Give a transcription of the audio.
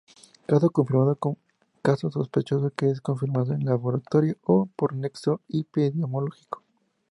Caso Confirmado: caso sospechoso que es confirmado en laboratorio o por nexo epidemiológico.